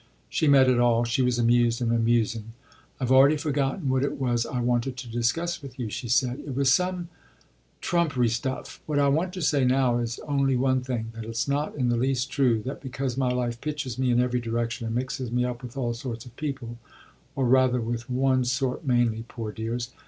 She met it all she was amused and amusing. "I've already forgotten what it was I wanted to discuss with you," she said "it was some trumpery stuff. What I want to say now is only one thing: that it's not in the least true that because my life pitches me in every direction and mixes me up with all sorts of people or rather with one sort mainly, poor dears!